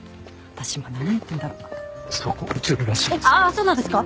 そうなんですか？